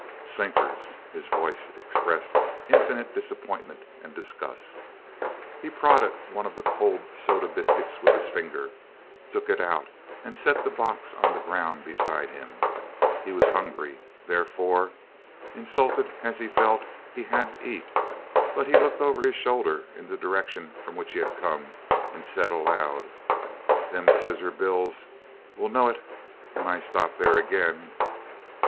"Sinkers!" His voice expressed infinite disappointment and disgust. He prodded one of the cold soda biscuits with his finger, took it out and set the box on the ground beside him. He was hungry, therefore, insulted as he felt, he had to eat, but he looked over his shoulder in the direction from which he had come, and said aloud, "Them Scissor bills'll know it when I stop there again!"